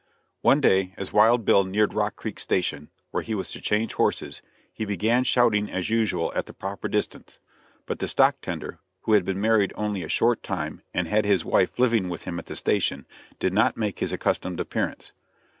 One day, as Wild Bill neared Rock Creek station, where he was to change horses, he began shouting as usual at the proper distance; but the stock tender, who had been married only a short time and had his wife living with him at the station, did not make his accustomed appearance.